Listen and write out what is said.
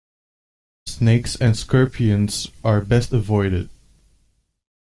Snakes and scorpions are best avoided.